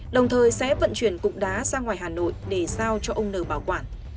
đồng thời sẽ vận chuyển cục đá sang ngoài hà nội để sao cho ông n bảo quản